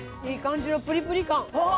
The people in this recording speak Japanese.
いい感じのプリプリ感。